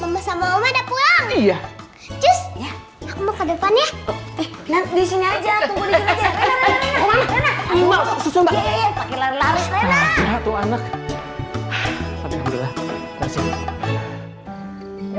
sama sama udah pulang iya just ya mau ke depannya nanti sini aja